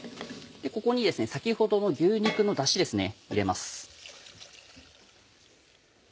ここにですね先ほどの牛肉のダシ入れます。